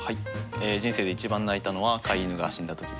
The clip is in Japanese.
人生で一番泣いたのは飼い犬が死んだ時です。